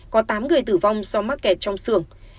có tám người tử vong do mắc kẹt trong sưởng